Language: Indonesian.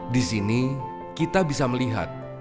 di sini kita bisa melihat